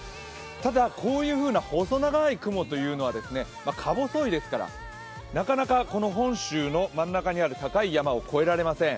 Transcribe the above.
ただ、こういう細長い雲というのはか細いですから、なかなか本州の真ん中にある高い山を越えられません。